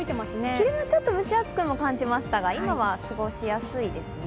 昼間ちょっと蒸し暑くも感じましたが今は過ごしやすいですね。